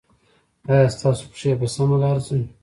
ایا ستاسو پښې په سمه لار ځي؟